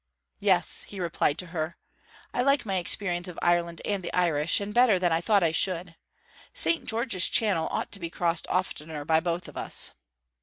'Yes,' he replied to her, 'I like my experience of Ireland and the Irish; and better than I thought I should. St. George's Channel ought to be crossed oftener by both of us.'